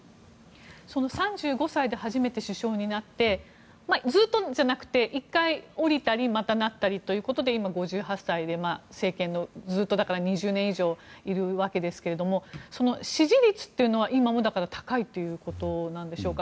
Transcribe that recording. ３５歳で初めて首相になってずっとじゃなくて１回下りたりまたなったりで今、５８歳で政権に、ずっと２０年以上いるわけですけど支持率というのは今も高いということでしょうか。